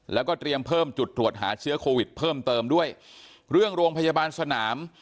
แล้วก็เตรียมเพิ่มจุดตรวจหาเชื้อโควิดเพิ่มเติมด้วยเรื่องโรงพยาบาลสนาม